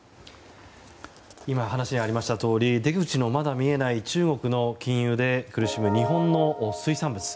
今話にありましたとおり出口の見えない中国の禁輸で苦しむ日本の水産物。